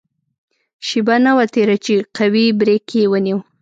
شېبه نه وه تېره چې قوي بریک یې ونیو.